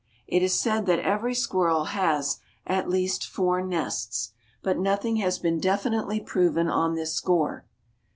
It is said that every squirrel has at least four nests; but nothing has been definitely proven on this score.